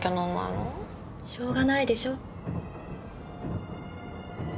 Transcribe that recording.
しょうがないでしょ。